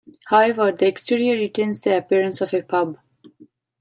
However the exterior retains the appearance of a pub.